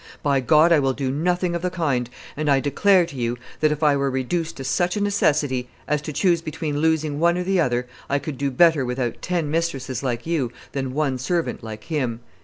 By God, I will do nothing of the kind, and I declare to you that if I were reduced to such a necessity as to choose between losing one or the other, I could better do without ten mistresses like you than one servant like him."